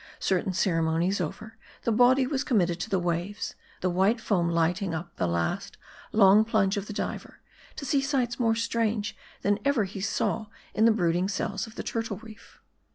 Certain ceremonies over, the body was committed to the waves ; the white foam lighting up the last, long plunge of the diver, to see sights more strange, than ever he saw in the brooding cells of the Turtle Reef.